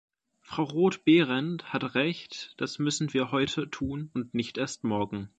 Frau Roth-Behrendt hat Recht, das müssen wir heute tun und nicht erst morgen.